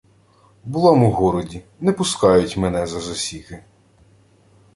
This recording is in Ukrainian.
— Була-м у городі. Не пускають мене за засіки.